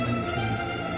bismillah ya kemanusia